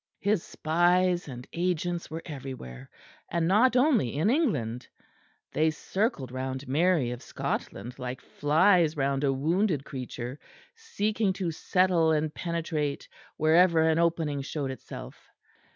His spies and agents were everywhere; and not only in England: they circled round Mary of Scotland like flies round a wounded creature, seeking to settle and penetrate wherever an opening showed itself.